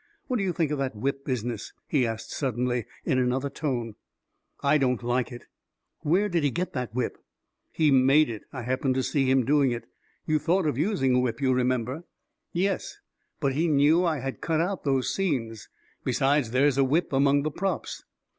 What do you think of that whip business? " he asked suddenly, in another tone. II I don't like it." " Where did he get the whip ?"" He made it — I happened to see him doing it You thought of using a whip, you remember." A KING IN BABYLON 34* " Yes — but he knew I had cut out those scenes. Besides, there's a whip among the props."